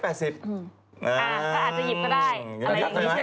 อาจจะหยิบก็ได้